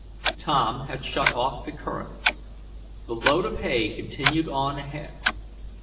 Tom had shut off the current. The load of hay continued on ahead.